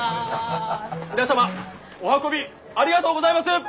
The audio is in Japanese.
皆様お運びありがとうございます！